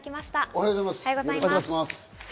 おはようございます。